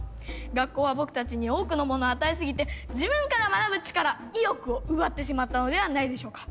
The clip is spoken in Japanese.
学校は僕たちに多くのものを与えすぎて自分から学ぶ力意欲を奪ってしまったのではないでしょうか。